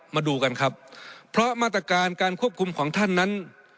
มาดูกันครับเพราะมาตรการการควบคุมของท่านนั้น